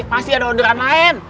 pasti ada orderan lain